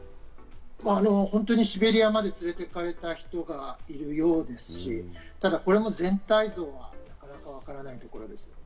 シベリアまで連れて行かれた人がいるようですし、ただこれも全体像はなかなかわからないです。